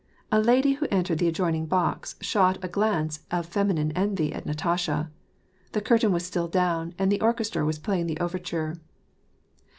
A lady who entered the adjoining box shot a glance of feminine envy at Natasha. The curtain was still down, and the orchestra was playing the overture.